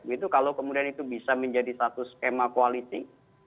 begitu kalau kemudian itu bisa menjadi satu skema quality